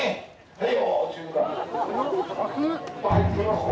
はい！